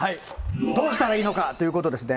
どうしたらいいのかということですね。